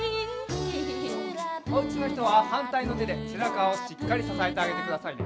おうちのひとははんたいのてでせなかをしっかりささえてあげてくださいね。